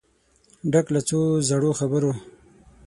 ډک له څو زړو خبرو